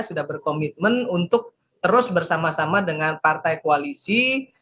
sudah berkomitmen untuk terus bersama sama dengan partai koalisi